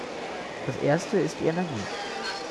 Das erste ist die Energie.